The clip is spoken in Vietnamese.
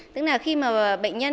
tức là khi mà bệnh nhân